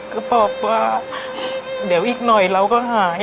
ก็บอกว่าเดี๋ยวอีกหน่อยเราก็หาย